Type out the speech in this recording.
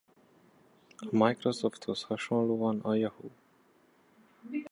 A Microsofthoz hasonlóan a Yahoo!